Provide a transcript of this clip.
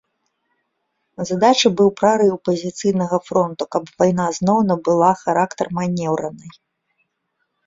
Задачай быў прарыў пазіцыйнага фронту, каб вайна зноў набыла характар манеўранай.